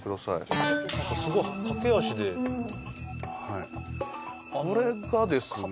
何かすごい駆け足ではいこれがですね